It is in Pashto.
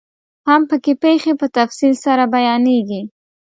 هم پکې پيښې په تفصیل سره بیانیږي.